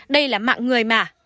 đây là mạng người mà